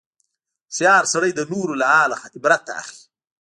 هوښیار سړی د نورو له حاله عبرت اخلي.